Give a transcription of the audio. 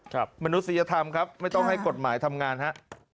มนุษยธรรมครับไม่ต้องให้กฎหมายทำงานฮะ